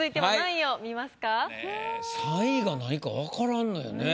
３位が何かわからんのよね。